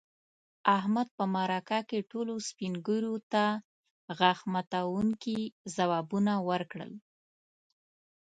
احمد په مرکه کې ټولو سپین ږیرو ته غاښ ماتونکي ځوابوه ورکړل.